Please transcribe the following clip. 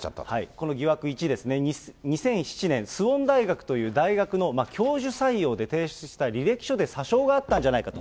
この疑惑１ですね、２００７年、スウォン大学という大学の教授採用で提出した履歴書で詐称があったんじゃないかと。